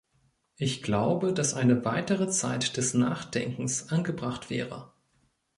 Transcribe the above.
Ich glaube, dass eine weitere Zeit des Nachdenkens angebracht wäre.